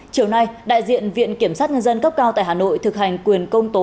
chiều nay đại diện viện kiểm sát nhân dân cấp cao tại hà nội thực hành quyền công tố